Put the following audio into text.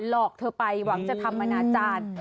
ลุงหวังจะทำอาณาจารย์